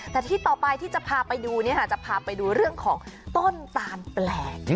แต่ที่ต่อไปที่จะพาไปดูจะพาไปดูเรื่องของต้นตาลแปลก